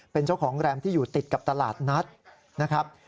เป็นเจ้าของแรมที่อยู่ติดกับตลาดนัดนะครับ